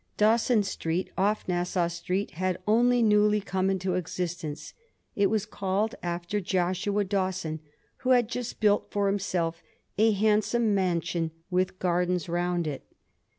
Dawson Street, off Nassau Street, had only newly come into existence. It was called after Joshua Dawson, who had just built for himself a handsome mansion with gardens round it.